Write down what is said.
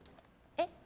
えっ？